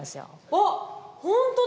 あっ本当だ！